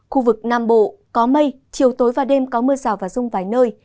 khu vực nam bộ có mây chiều tối và đêm có mưa rào và rông vài nơi